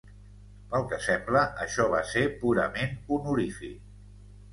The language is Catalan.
Pel que sembla això va ser purament honorífic.